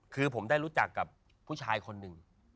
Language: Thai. คือผมได้รู้จักกับผู้ชายคนหนึ่ง